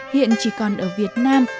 hiện chỉ còn ở việt nam